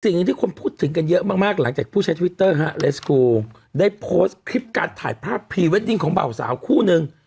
สิ่งหนึ่งที่คนพูดถึงกันเยอะมากมากหลังจากผู้ใช้ทวิตเตอร์ฮะเลสกูลได้โพสต์คลิปการถ่ายภาพพรีเวดดิ้งของเบาสาวคู่นึง